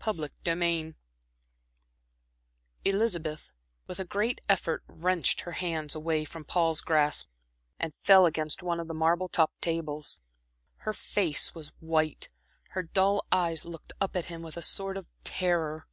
Chapter XI Elizabeth with a great effort wrenched her hands away from Paul's grasp, and fell against one of the marble topped tables. Her face was white, her dull eyes looked up at him with a sort of terror.